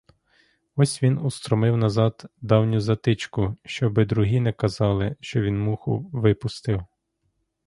Ось він устромив назад давню затичку, щоби другі не казали, що він муху випустив.